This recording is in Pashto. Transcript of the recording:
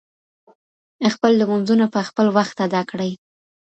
خپل لمونځونه په خپل وخت ادا کړئ.